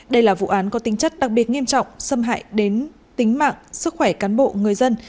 đây là vụ án có tính chất đặc biệt nghiêm trọng xâm hại đến tính mạng sức khỏe cán bộ người dân